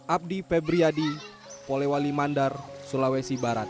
abdi febriyadi polewali mandar sulawesi barat